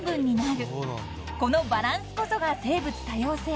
［このバランスこそが生物多様性］